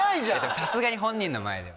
さすがに本人の前では。